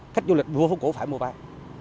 khách du lịch vừa khu phố cổ phải mua vé